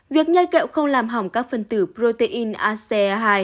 việc nhai kẹo không làm hỏng các phần tử protein ace hai